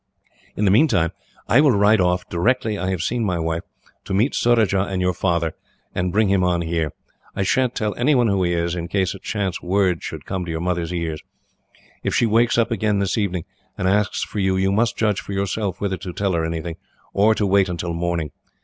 "In the meantime, I will ride off, directly I have seen my wife, to meet Surajah and your father, and bring him on here. I sha'n't tell anyone who he is, in case a chance word should come to your mother's ears. If she wakes up again this evening, and asks for you, you must judge for yourself whether to tell her anything, or to wait until morning.